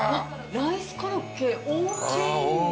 ライスコロッケ大きい！